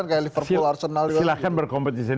kayak liverpool arsenal silahkan berkompetisi